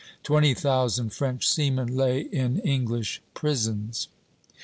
Twenty thousand French seamen lay in English prisons."